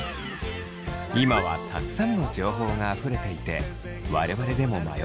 今はたくさんの情報があふれていて我々でも迷います。